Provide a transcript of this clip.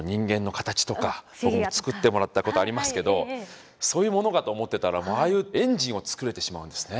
僕も作ってもらったことありますけどそういうものかと思ってたらああいうエンジンを作れてしまうんですね。